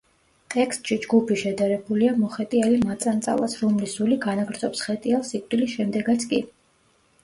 ტექსტში ჯგუფი შედარებულია მოხეტიალე მაწანწალას, რომლის სული განაგრძობს ხეტიალს სიკვდილის შემდეგაც კი.